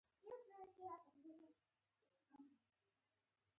يره چټ و پټ دی.